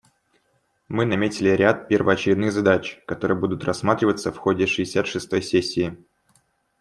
Мы наметили ряд первоочередных задач, которые будут рассматриваться в ходе шестьдесят шестой сессии.